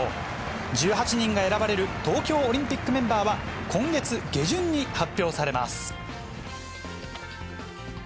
１８人が選ばれる東京オリンピックメンバーは、今月下旬に発表されます。